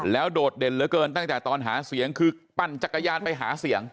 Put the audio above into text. โดดเด่นเหลือเกินตั้งแต่ตอนหาเสียงคือปั่นจักรยานไปหาเสียง